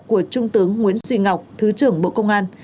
của trung tướng nguyễn duy ngọc thứ trưởng bộ công an